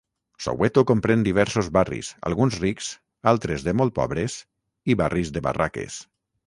Soweto comprèn diversos barris, alguns rics, altres de molt pobres i barris de barraques.